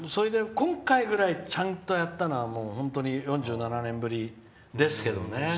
それで今回ぐらいちゃんと、やったのは４７年ぶりですけどね。